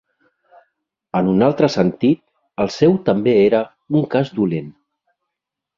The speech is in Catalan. En un altre sentit, el seu també era un cas dolent.